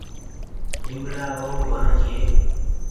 ليبڙآ رو وڻ ڇي۔